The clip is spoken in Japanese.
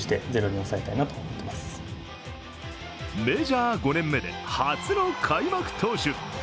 メジャー５年目で初の開幕投手。